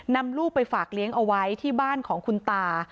นำลูกไปฝากเลี้ยงเอาไว้ที่บ้านของคุณตา